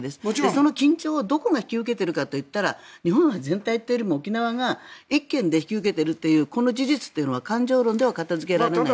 その緊張をどこが引き受けているかと言ったら日本は全体というよりも沖縄が１県で引き受けているというこの事実というのは感情論では片付けられないと思う。